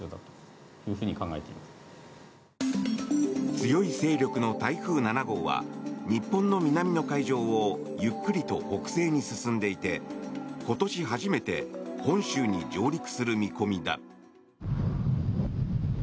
強い勢力の台風７号は日本の南の海上をゆっくりと北西に進んでいて今年初めて本州に上陸する見込みだ。